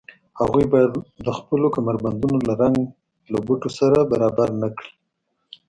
هغوی باید د خپلو کمربندونو رنګ له بټوو سره برابر نه کړي